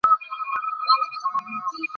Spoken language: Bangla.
আর একমুহূর্তও এখানে থাকা নয়।